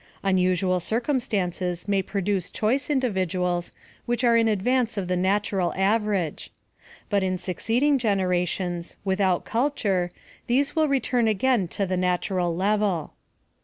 Unusual cir cumstances may produce choice individuals, which are in advance of the natural average ; but in suc ceeding generations, without culture, these will return again to the natural level.